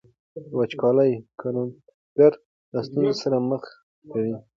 وچکالي کروندګر له ستونزو سره مخ کوي.